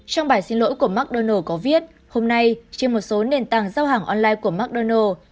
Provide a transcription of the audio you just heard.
trong bài xin lỗi của mcdonald có viết hôm nay trên một số nền tảng giao hàng online của mcdonald